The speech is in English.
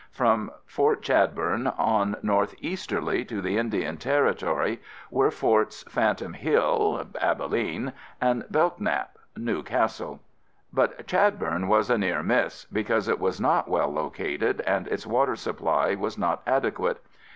From Fort Chadbourne on northeasterly to the Indian Territory were Forts Phantom Hill (Abilene) and Belknap (New Castle). But Chadbourne was a near miss, because it was not well located and its water supply was not adequate.